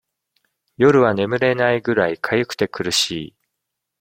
夜は眠れないぐらい、かゆくて苦しい。